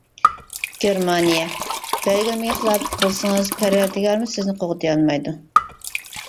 گېرمانىيە:بەلگىلىمىگە خىلاپلىق قىلسىڭىز پەرۋەردىگارمۇ سىزنى قوغدىيالمايدۇ.